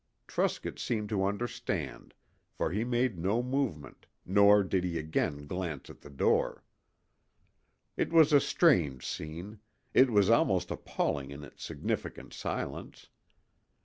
Truscott seemed to understand, for he made no movement, nor did he again glance at the door. It was a strange scene. It was almost appalling in its significant silence.